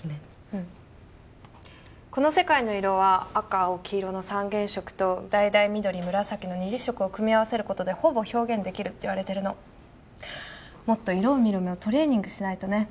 うんこの世界の色は赤青黄色の三原色と橙緑紫の二次色を組み合わせることでほぼ表現できるっていわれてるのもっと色を見る目をトレーニングしないとね